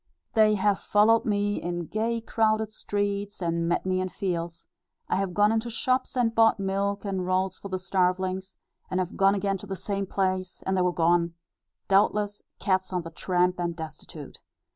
They have followed me in gay crowded streets, and met me in fields; I have gone into shops and bought milk and rolls for the starvelings; and have gone again to the same place, and they were gone, doubtless, cats on the tramp and destitute.